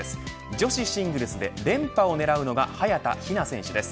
女子シングルスで連覇を狙うのが早田ひな選手です。